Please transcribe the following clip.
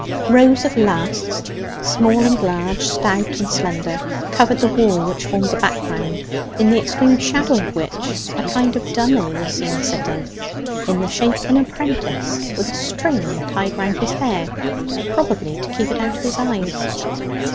Rows of lasts, small and large, stout and slender, covered the wall which formed the background, in the extreme shadow of which a kind of dummy was seen sitting, in the shape of an apprentice with a string tied round his hair (probably to keep it out of his eyes).